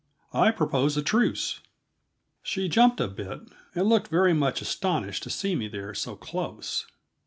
"I propose a truce." She jumped a bit, and looked very much astonished to see me there so close.